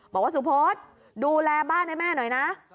บอกว่าสุพธดูแลบ้านให้แม่หน่อยนะ